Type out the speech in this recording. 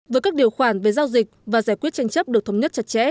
với các điều khoản về giao dịch và giải quyết tranh chấp được thống nhất chặt chẽ